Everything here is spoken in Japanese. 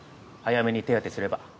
早めに手当てすれば。